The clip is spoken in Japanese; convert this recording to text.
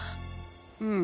うん。